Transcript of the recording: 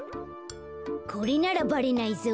これならばれないぞ。